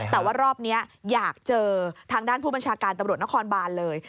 แต่ว่ารอบนี้อยากเจอทางด้านผู้บัญชาการตำรวจนครบานเลย